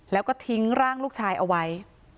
แล้วก็ทิ้งร่างลูกชายเอาไว้